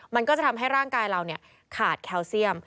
มันก็จะทำให้ร่างกายเราขาดแคลเซียม